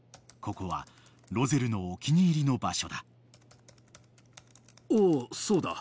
［ここはロゼルのお気に入りの場所だ］